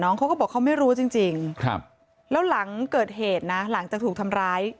เขาก็บอกเขาไม่รู้จริงแล้วหลังเกิดเหตุนะหลังจากถูกทำร้าย